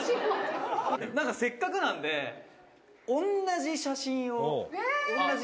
「なんかせっかくなんで同じ写真を同じ場所で」